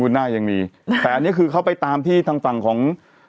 หน้ายังมีแต่อันนี้คือเขาไปตามที่ทางฝั่งของ